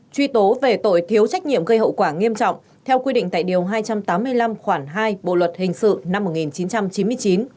truy tố về tội thiếu trách nhiệm gây hậu quả nghiêm trọng theo quy định tại điều hai trăm tám mươi năm khoảng hai bộ luật hình sự năm một nghìn chín trăm chín mươi chín